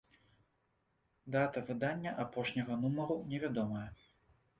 Дата выдання апошняга нумару невядомая.